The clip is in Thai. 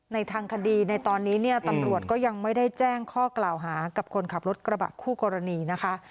ในทางคดีในตอนนี้เนี่ยตำรวจก็ยังไม่ได้แจ้งข้อกล่าวหากับคนขับรถกระบะคู่กรณีนะคะ